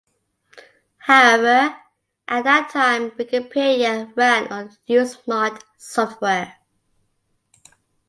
However, at that time, Wikipedia ran on UseMod software.